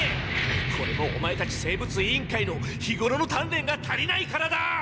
これもオマエたち生物委員会の日ごろのたんれんが足りないからだ！